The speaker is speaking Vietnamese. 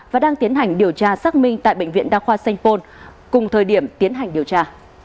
và đang tiến hành điều tra xác minh tại bệnh viện đa khoa sanh pôn cùng thời điểm tiến hành điều tra